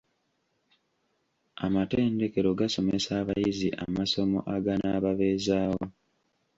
Amatendekero gasomesa abayizi amasomo aganaababeezaawo.